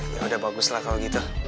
yaudah bagus lah kalo gitu